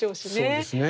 そうですね。